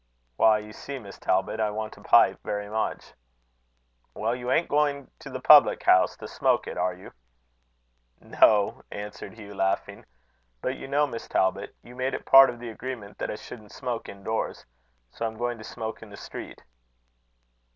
"Why, you see, Miss Talbot, I want a pipe very much." "Well, you ain't going to the public house to smoke it, are you?" "No," answered Hugh laughing. "But you know, Miss Talbot, you made it part of the agreement that I shouldn't smoke indoors. So I'm going to smoke in the street."